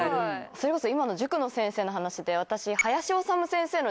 それこそ今の塾の先生の話で私。